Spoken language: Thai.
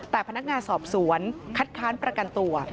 แต่พนักงานสอบสวนคัดค้านประกันตัว